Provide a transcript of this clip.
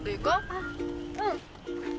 あっうん。